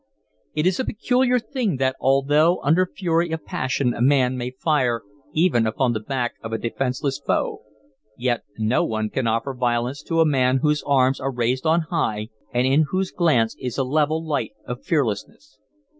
It is a peculiar thing that although under fury of passion a man may fire even upon the back of a defenceless foe, yet no one can offer violence to a man whose arms are raised on high and in whose glance is the level light of fearlessness.